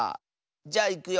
じゃいくよ。